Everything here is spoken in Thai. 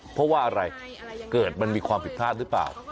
เพราะว่าอะไรเกิดมันมีความผิดพลาดหรือเปล่า